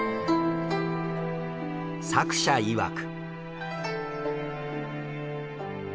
作者いわく。